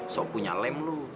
so punya lem lu